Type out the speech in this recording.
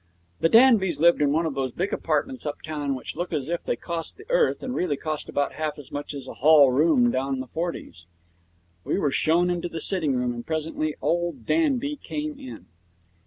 The Danbys lived in one of those big apartments uptown which look as if they cost the earth and really cost about half as much as a hall room down in the forties. We were shown into the sitting room, and presently old Danby came in.